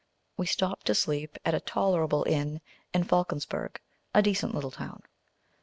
We stopped to sleep at a tolerable inn in Falckersberg, a decent little town.